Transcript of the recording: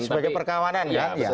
sebagai perkawanan kan